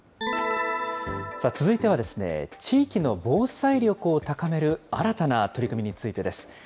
続いては、地域の防災力を高める新たな取り組みについてです。